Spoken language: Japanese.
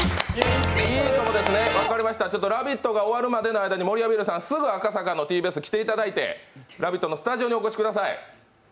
分かりました、「ラヴィット！」が終わるまでの間に守谷日和さん、すぐ赤坂のＴＢＳに来ていただいて「ラヴィット！」のスタジオにお越しください。